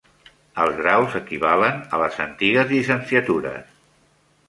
Els graus equivalen a les antigues llicenciatures.